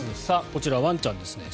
こちら、ワンちゃんですね